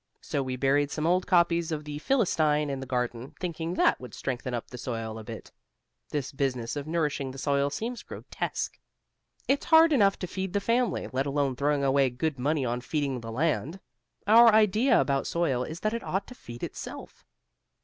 So we buried some old copies of the Philistine in the garden, thinking that would strengthen up the soil a bit. This business of nourishing the soil seems grotesque. It's hard enough to feed the family, let alone throwing away good money on feeding the land. Our idea about soil is that it ought to feed itself.